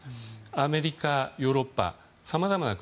アメリカ、ヨーロッパさまざまな国。